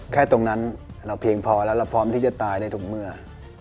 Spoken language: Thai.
แค่ตรงนั้นเราเพียงพอแล้วเราพร้อมที่จะตายได้ทุกเมื่อ